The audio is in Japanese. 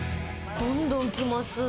どんどん来ます。